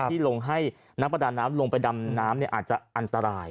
ที่ลงให้นักประดาน้ำลงไปดำน้ำอาจจะอันตราย